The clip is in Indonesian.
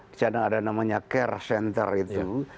di sana ada namanya care center itu